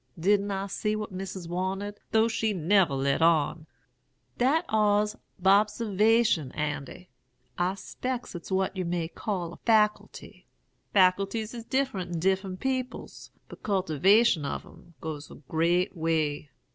Didn't I see what Missis wanted, though she never let on? Dat ar's bobservation, Andy. I 'specs it's what yer may call a faculty. Faculties is different in different peoples; but cultivation of 'em goes a great way.'